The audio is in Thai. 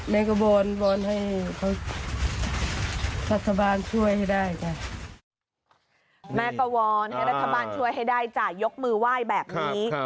แม่ก็วอนให้รัฐบาลช่วยให้ได้จ้ะยกมือไหว้แบบนี้